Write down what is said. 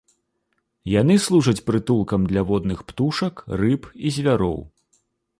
Яны служаць прытулкам для водных птушак, рыб і звяроў.